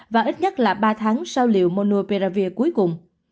và ít nhất là ba tháng sau liệu monopiravir cuối cùng